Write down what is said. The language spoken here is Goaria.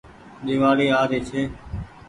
ۮيوآڙي آ ري ڇي